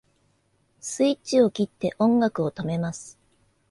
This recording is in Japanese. スイッチを切って音楽を止めます